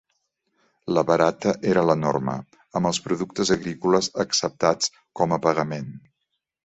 La barata era la norma, amb els productes agrícoles acceptats com a pagament.